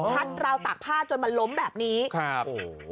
ราวตากผ้าจนมันล้มแบบนี้ครับโอ้โห